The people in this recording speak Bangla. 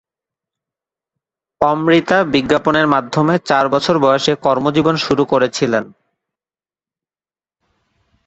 অমৃতা বিজ্ঞাপনের মাধ্যমে চার বছর বয়সে কর্মজীবন শুরু করেছিলেন।